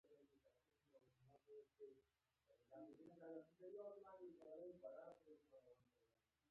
کومې اقتصادي ناخوالې چې کمونېزم وزېږولې پایلې یې یو شان وې.